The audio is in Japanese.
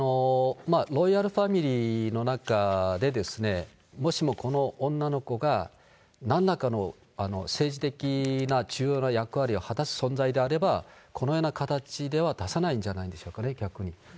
ロイヤルファミリーの中で、もしもこの女の子がなんらかの政治的な重要な役割を果たす存在であれば、このような形では出さないんじゃないでしょうかね、逆に。